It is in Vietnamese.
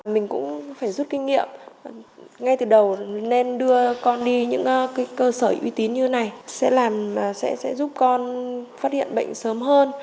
mình cũng phải rút kinh nghiệm ngay từ đầu nên đưa con đi những cơ sở uy tín như này sẽ giúp con phát hiện bệnh sớm hơn